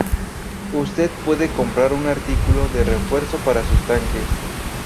Usted puede comprar un artículo de refuerzo para sus tanques.